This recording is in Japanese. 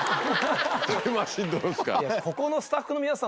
タイムマシーンどうですか？